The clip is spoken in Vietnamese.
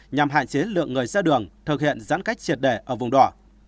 nhằm hạn chế lượng người ra đường thực hiện giãn cách triệt đề ở vùng đỏ